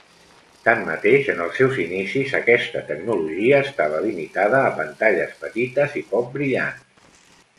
Tanmateix, en els seus inicis aquesta tecnologia estava limitada a pantalles petites i poc brillants.